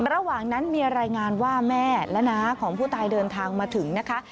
ระหว่างนั้นมีรายงานว่าแม่และน้าของผู้ตายเดินทางมาถึงนะคะ